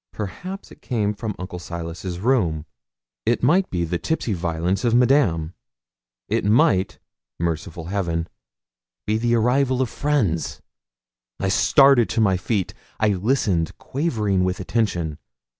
Perhaps it came from Uncle Silas's room. It might be the tipsy violence of Madame. It might merciful Heaven! be the arrival of friends. I started to my feet; I listened, quivering with attention.